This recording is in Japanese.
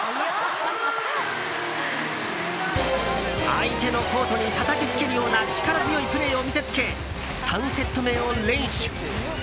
相手のコートにたたきつけるような力強いプレーを見せつけ３セット目を連取。